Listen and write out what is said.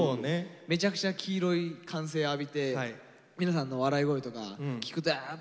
めちゃくちゃ黄色い歓声浴びて皆さんの笑い声とか聞くとやっぱ彩られてんなって思いますよね。